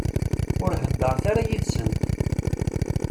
Ur heddṛet ara yid-sent.